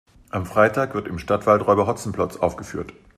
Am Freitag wird im Stadtwald Räuber Hotzenplotz aufgeführt.